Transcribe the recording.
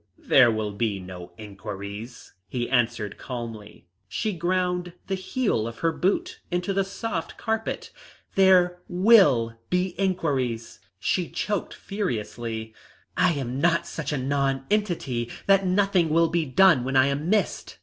"There will be no inquiries," he answered calmly. She ground the heel of her boot into the soft carpet. "There will be inquiries," she choked furiously. "I am not such a nonentity that nothing will be done when I am missed.